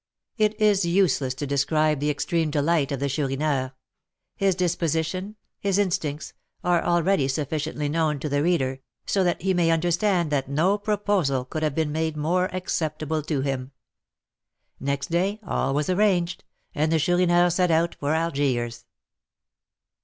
It is useless to describe the extreme delight of the Chourineur. His disposition, his instincts, are already sufficiently known to the reader, so that he may understand that no proposal could have been made more acceptable to him. Next day all was arranged, and the Chourineur set out for Algiers.